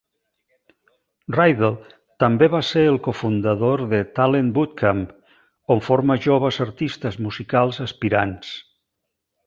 Ridel també va ser el cofundador de Talent Bootcamp, on forma joves artistes musicals aspirants.